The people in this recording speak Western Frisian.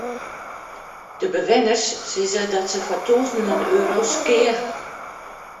De bewenners sizze dat se foar tûzenen euro's skea hawwe.